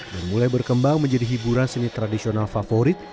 mulai berkembang menjadi hiburan seni tradisional favorit